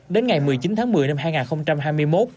đến ngày một mươi chín tháng một mươi năm hai nghìn hai mươi một